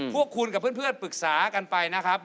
พวกคุณกับเพื่อนปรึกษากันไปนะครับ